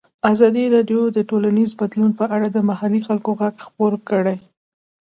ازادي راډیو د ټولنیز بدلون په اړه د محلي خلکو غږ خپور کړی.